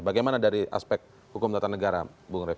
bagaimana dari aspek hukum tata negara bu ngeri